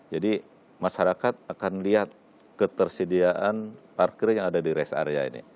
jadi masyarakat akan lihat ketersediaan parkir yang ada di rest area ini